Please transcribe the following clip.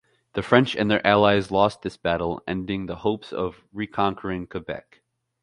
The French and their allies lost this battle, ending the hopes of reconquering Quebec.